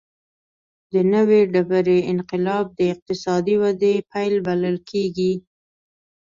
د نوې ډبرې انقلاب د اقتصادي ودې پیل بلل کېږي.